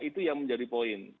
itu yang menjadi poin